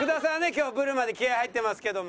今日ブルマで気合入ってますけども。